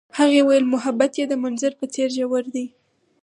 هغې وویل محبت یې د منظر په څېر ژور دی.